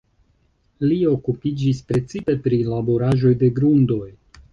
Li okupiĝis precipe pri laboraĵoj de grundoj.